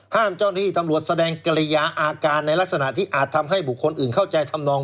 เจ้าหน้าที่ตำรวจแสดงกริยาอาการในลักษณะที่อาจทำให้บุคคลอื่นเข้าใจทำนอง